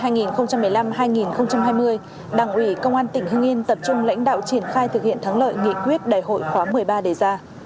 nhiệm kỳ hai nghìn một mươi năm hai nghìn hai mươi đảng ủy công an tỉnh hưng yên tập trung lãnh đạo triển khai thực hiện thắng lợi nghị quyết đại hội khóa một mươi ba đề ra